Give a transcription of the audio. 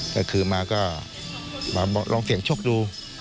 ก็คือมาก็มาลองเสี่ยงโชคดู